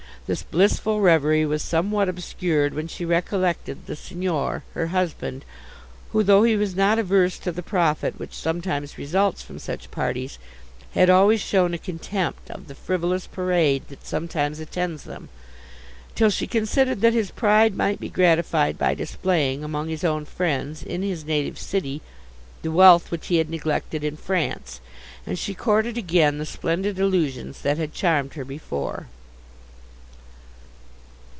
This blissful reverie was somewhat obscured, when she recollected the Signor, her husband, who, though he was not averse to the profit which sometimes results from such parties, had always shown a contempt of the frivolous parade that sometimes attends them; till she considered that his pride might be gratified by displaying, among his own friends, in his native city, the wealth which he had neglected in France; and she courted again the splendid illusions that had charmed her before.